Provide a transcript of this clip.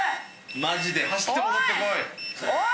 マジで走って戻ってこい。